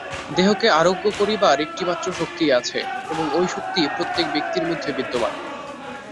দেহকে আরোগ্য করিবার একটিমাত্র শক্তিই আছে, এবং ঐ শক্তি প্রত্যেক ব্যক্তির মধ্যে বিদ্যমান।